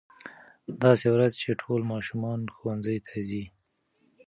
داسې ورځ چې ټول ماشومان ښوونځي ته ځي.